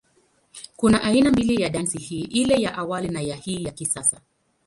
Kuna aina mbili ya dansi hii, ile ya awali na ya hii ya kisasa.